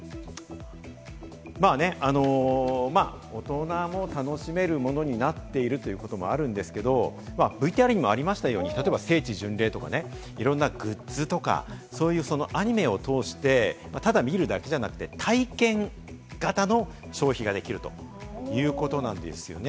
大人も楽しめるものになっているということもあるんですけれども、例えば聖地巡礼とか、いろんなグッズとか、アニメを通してただ見るだけじゃなくて体験型の消費ができるということなんですよね。